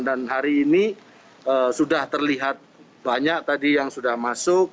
dan hari ini sudah terlihat banyak tadi yang sudah masuk